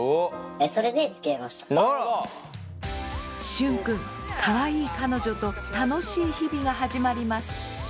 シュンくんかわいい彼女と楽しい日々が始まります。